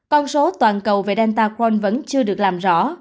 con số toàn cầu về delta cron vẫn chưa được làm rõ